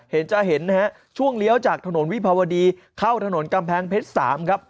จะเห็นนะฮะช่วงเลี้ยวจากถนนวิภาวดีเข้าถนนกำแพงเพชร๓ครับ